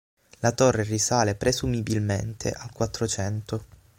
La Torre risale presumibilmente al Quattrocento.